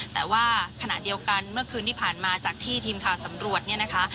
แต่ว่าขณะเดียวกันเมื่อคืนที่ผ่านมาจากที่ทีมข่าวสำรวจเนี่ยนะคะ